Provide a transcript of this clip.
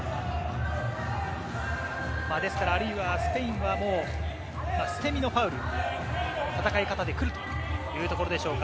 ですから、あるいは、スペインは捨て身のファウル、戦い方で来るというところでしょうか。